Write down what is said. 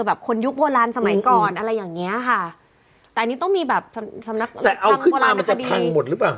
แบบคนยุคโบราณสมัยก่อนอะไรอย่างเงี้ยค่ะแต่อันนี้ต้องมีแบบสำนักแต่เอาคือโบราณมันจะมีพังหมดหรือเปล่า